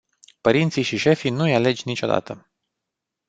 Părinții și șefii nu-i alegi niciodată.